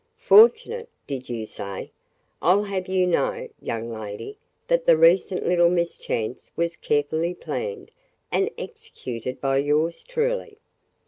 "'Fortunate' did you say? I 'll have you to know, young lady, that the recent little mischance was carefully planned and executed by yours truly!"